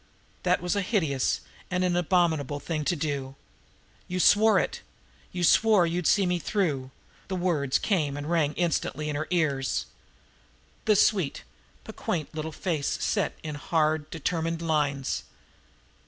That was a hideous and an abominable thing to do! "You swore it! You swore you'd see me through!" the words came and rang insistently in her ears. The sweet, piquant little face set in hard, determined lines.